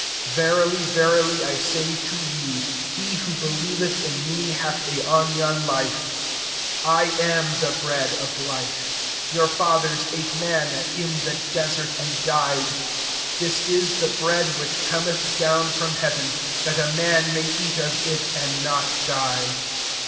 47 " Verily, verily, I say to you, He who believeth in me, hath aionian life. 48 I am the bread of life. 49 Your fathers ate manna in the desert, and died. 50 This is the bread which Cometh down from heaven, that a man may eat of it, and not die.